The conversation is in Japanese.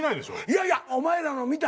いやいやお前らの見た。